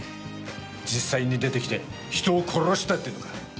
実際に出てきて人を殺したというのか。